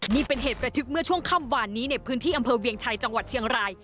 นี่เป็นเหตุระทึกเมื่อช่วงค่ำวานนี้ในพื้นที่อำเภอเวียงชัยจังหวัดเชียงราย